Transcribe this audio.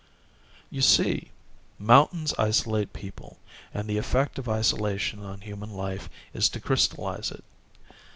"You see, mountains isolate people and the effect of isolation on human life is to crystallize it.